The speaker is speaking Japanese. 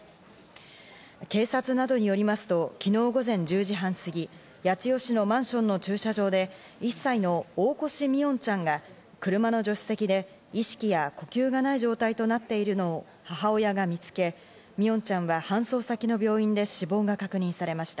警察などによりますと昨日午前１０時半過ぎ八千代市のマンションの駐車場で１歳の大越三櫻音ちゃんが車の助手席で意識や呼吸がない状態となっているのを母親が見つけ、三櫻音ちゃんは搬送先の病院で死亡が確認されました。